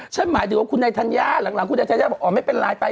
หมายถึงว่าคุณนายธัญญาหลังคุณนายธัญญาบอกอ๋อไม่เป็นไรไป